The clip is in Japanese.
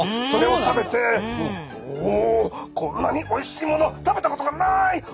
それを食べて「おこんなにおいしいもの食べたことがない。